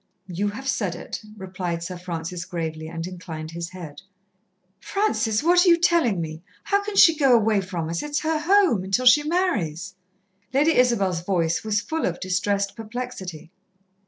"You have said it," replied Sir Francis gravely, and inclined his head. "Francis, what are you tellin' her? How can she go away from us? It's her home, until she marries." Lady Isabel's voice was full of distressed perplexity.